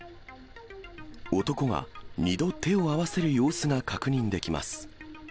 男が２度手を合わせる様子が確認できます。